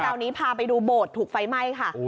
คราวนี้พาไปดูโบสถ์ถูกไฟไหม้ค่ะ